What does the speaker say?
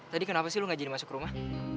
tadi kenapa sih lo gak jadi masuk rumah